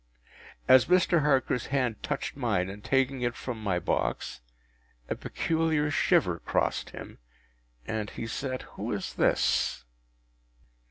As Mr. Harker’s hand touched mine in taking it from my box, a peculiar shiver crossed him, and he said, “Who is this?